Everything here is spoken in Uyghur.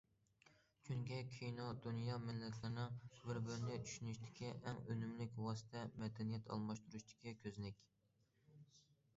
چۈنكى، كىنو دۇنيا مىللەتلىرىنىڭ بىر- بىرىنى چۈشىنىشتىكى ئەڭ ئۈنۈملۈك ۋاسىتە، مەدەنىيەت ئالماشتۇرۇشتىكى كۆزنەك.